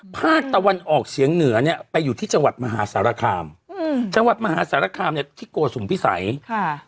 ภาคตะวันออกเฉียงเหนือเนี่ยไปอยู่ที่จังหวัดมหาสารคามอืมจังหวัดมหาสารคามเนี่ยที่โกสุมพิสัยค่ะ